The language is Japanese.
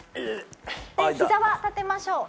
膝は立てましょう。